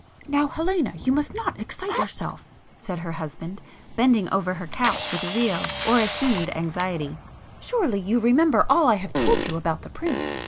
"Now Helena, you must not excite yourself"—said her husband, bending over her couch with real or assumed anxiety; "Surely you remember all I have told you about the prince?